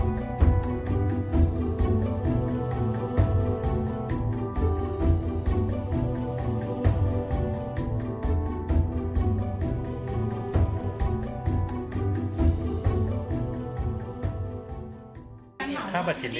เขาก็ไม่ได้กลับมันจริงเลยค่ะ